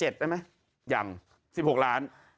ได้ไหมยัง๑๖ล้าน